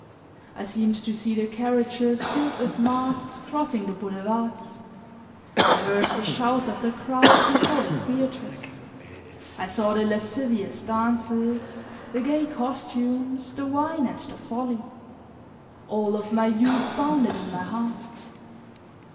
I seemed to see the carriages filled with masks crossing the boulevards. I heard the shouts of the crowds before the theaters; I saw the lascivious dances, the gay costumes, the wine and the folly; all of my youth bounded in my heart.